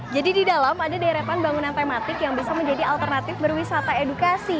jadi di dalam ada daerah daerah bangunan tematik yang bisa menjadi alternatif berwisata edukasi